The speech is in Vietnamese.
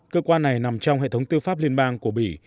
cơ quan này nằm trong hệ thống tư pháp liên bang của bỉ